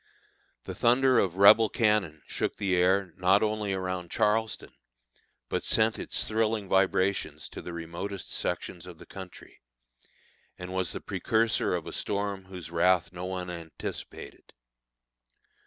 The thunder of Rebel cannon shook the air not only around Charleston, but sent its thrilling vibrations to the remotest sections of the country, and was the precursor of a storm whose wrath no one anticipated.